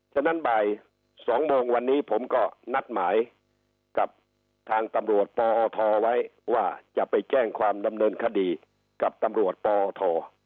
ฉะนั้นบ่าย๒โมงวันนี้ผมก็นัดหมายกับทางตำรวจปอทไว้ว่าจะไปแจ้งความดำเนินคดีกับตำรวจปอท